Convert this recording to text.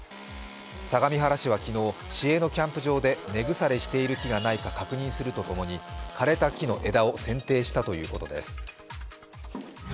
相模原市は昨日、市営のキャンプ場で根腐れしている木がないか確認するとともに枯れた木の枝をせんていしたということです。